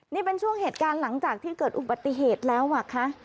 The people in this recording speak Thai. นี่เป็นช่วงเหตุการณ์หลังจากที่เกิดอุบัติเหตุแล้วอ่ะคะ